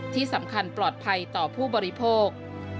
ที่สำคัญปลอดภัยต่อผู้บริโภค